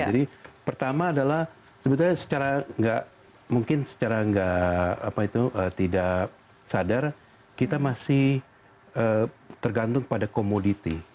jadi pertama adalah sebenarnya secara tidak sadar kita masih tergantung pada komoditi